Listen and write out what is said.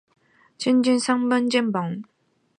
举头三尺有神明。